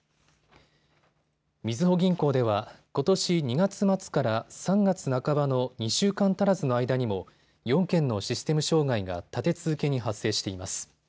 みずほ銀行ではことし２月末から３月半ばの２週間足らずの間にも４件のシステム障害が立て続けに発生しています。